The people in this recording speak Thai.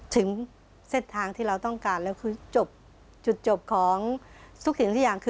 ถึงเส้นทางที่เราต้องการและจุดจบของทุกสิ่งที่อยาก